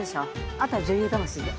あとは女優魂で。